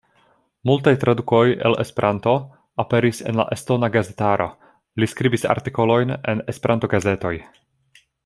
Multaj tradukoj el Esperanto aperis en la estona gazetaro; li skribis artikolojn en Esperanto-gazetoj.